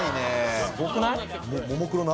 すごくない？